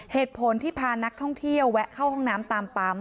เหตุผลที่พานักท่องเที่ยวแวะเข้าห้องน้ำตามปั๊ม